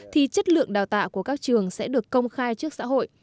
thì chất lượng đào tạo của các trường sẽ được công khai trước xã hội